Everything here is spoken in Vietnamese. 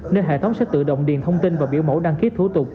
nên hệ thống sẽ tự động điền thông tin và biểu mẫu đăng ký thủ tục